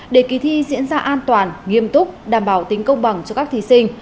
để kỳ thi diễn ra an toàn nghiêm túc đảm bảo tính công bằng cho các thí sinh